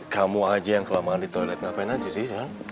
kamu aja yang kelamaan di toilet ngapain aja sih